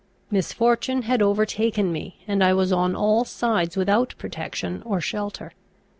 Misfortune had overtaken me, and I was on all sides without protection or shelter.